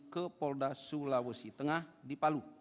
ke polda sulawesi